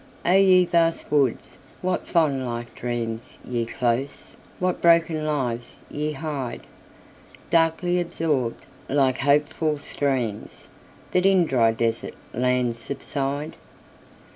O ye vast woods! what fond life dreamsYe close! what broken lives ye hide! Darkly absorbed, like hopeful streams, That in dry desert lands subside.